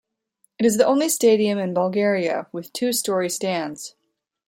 It is the only stadium in Bulgaria with two-storey stands.